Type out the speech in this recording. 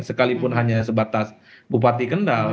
sekalipun hanya sebatas bupati kendal